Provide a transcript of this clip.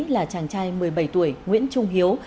là chàng trai một mươi bảy tuổi nguyễn trung hiếu